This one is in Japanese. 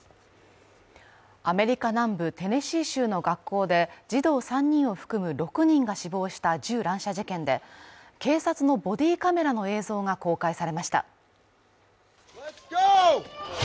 アメリカ南部テネシー州の学校で児童３人を含む６人が死亡した銃乱射事件で、警察のボディーカメラの映像が公開されました。